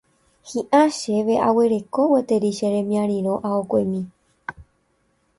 Hi'ã chéve aguereko gueteri che remiarirõ aokuemi.